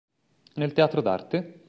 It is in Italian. Nel Teatro d'Arte?